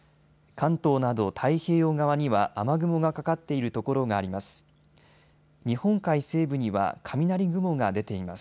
関東など太平洋側には雨雲がかかっている所があります。